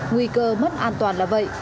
nguy cơ mất an toàn là vậy